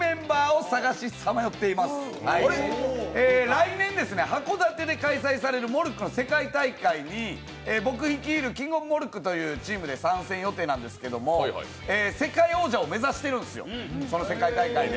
来年、函館で開催されるモルックの世界大会に僕率いるキングオブモルックというチームで参戦予定なんですけど世界王者を目指しているんですよ、その世界大会で。